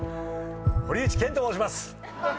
堀内健と申します！